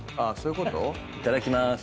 いただきます。